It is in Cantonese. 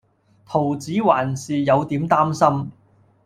桃子還是有點擔心